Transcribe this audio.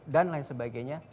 dan lain sebagainya